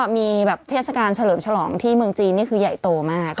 มีแบบเทศกาลเฉลิมฉลองที่เมืองจีนนี่คือใหญ่โตมาก